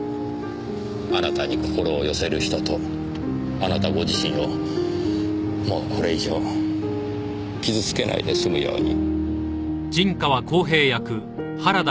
あなたに心を寄せる人とあなたご自身をもうこれ以上傷付けないで済むように。